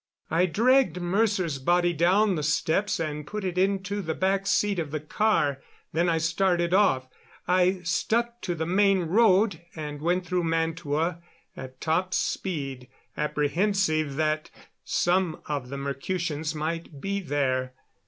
I dragged Mercer's body down the steps and put it into the back seat of the car Then I started off. I stuck to the main road, and went through Mantua at top speed, apprehensive that some of the Mercutians might be there.